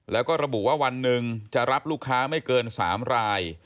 แล้วก็ระบุว่าวันหนึ่งจะรับลูกค้าไม่เกิน๓ราย